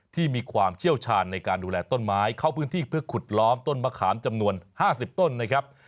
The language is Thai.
มีความเชี่ยวชาญในการดูแลต้นไม้เข้าพื้นที่เพื่อขุดล้อมต้นมะขามจำนวน๕๐ต้นนะครับ